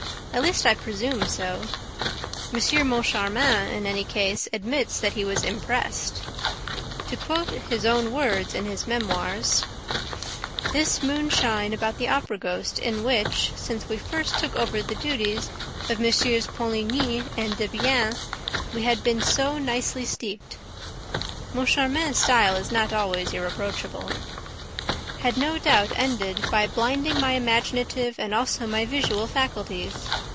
At least, I presume so. M. Moncharmin, in any case, admits that he was impressed. To quote his own words, in his Memoirs: "This moonshine about the Opera ghost in which, since we first took over the duties of MM. Poligny and Debienne, we had been so nicely steeped" Moncharmin's style is not always irreproachable "had no doubt ended by blinding my imaginative and also my visual faculties.